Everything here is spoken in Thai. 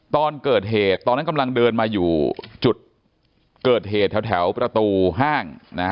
ตอนเกิดเหตุตอนนั้นกำลังเดินมาอยู่จุดเกิดเหตุแถวประตูห้าง